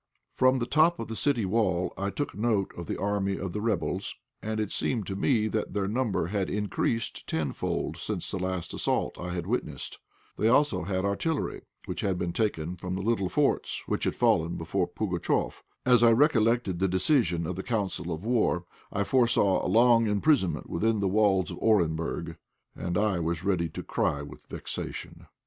From the top of the city wall I took note of the army of the rebels, and it seemed to me that their number had increased tenfold since the last assault I had witnessed. They had also artillery, which had been taken from the little forts which had fallen before Pugatchéf. As I recollected the decision of the council of war, I foresaw a long imprisonment within the walls of Orenburg, and I was ready to cry with vexation.